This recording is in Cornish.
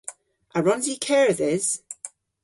A wrons i kerdhes?